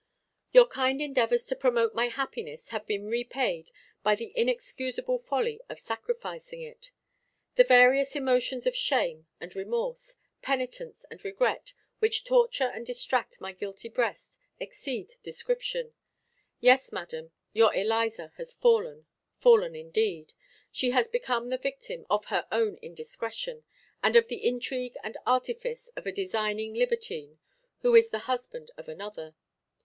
Your kind endeavors to promote my happiness have been repaid by the inexcusable folly of sacrificing it. The various emotions of shame and remorse, penitence and regret, which torture and distract my guilty breast, exceed description. Yes, madam, your Eliza has fallen, fallen indeed. She has become the victim of her own indiscretion, and of the intrigue and artifice of a designing libertine, who is the husband of another.